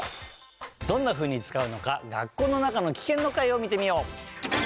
どんなふうにつかうのか「学校の中のキケン」の回を見てみよう。